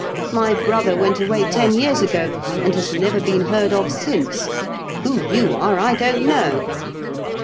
" My brother went away ten years ago, and has never been heard of since. Who you are I don't know."